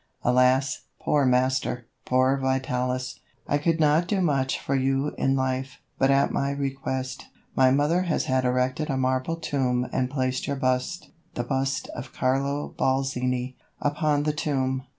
Alas! poor master! poor Vitalis! I could not do much for you in life, but at my request, my mother has had erected a marble tomb and placed your bust, the bust of Carlo Balzini, upon the tomb.